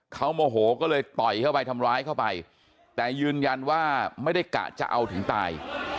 เขาโมโหก็เลยต่อยเข้าไปทำร้ายเข้าไปแต่ยืนยันว่าไม่ได้กะจะเอาถึงตาย